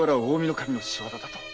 守の仕業だと。